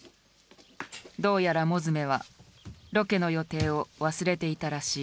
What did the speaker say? どうやら物集はロケの予定を忘れていたらしい。